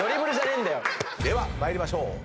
では参りましょう。